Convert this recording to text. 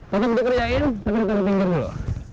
kita berdua kerjain tapi kita bertingkat dulu